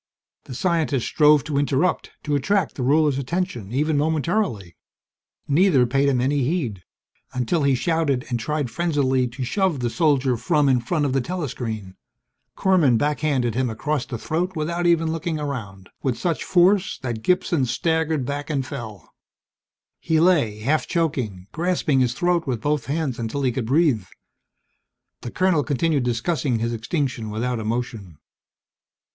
The scientist strove to interrupt, to attract the ruler's attention even momentarily. Neither paid him any heed, until he shouted and tried frenziedly to shove the soldier from in front of the telescreen. Korman backhanded him across the throat without looking around, with such force that Gibson staggered back and fell. He lay, half choking, grasping his throat with both hands until he could breathe. The colonel continued discussing his extinction without emotion.